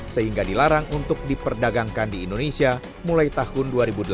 sehingga dilarang untuk diperdagangkan di indonesia mulai tahun dua ribu delapan belas